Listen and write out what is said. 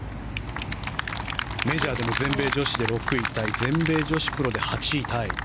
メジャーでも全米女子で６位タイ全米女子プロで８位タイ。